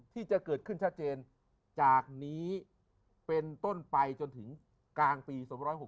ที่จะเกิดขึ้นชัดเจนจากนี้เป็นต้นไปจนถึงกลางปี๒๖๖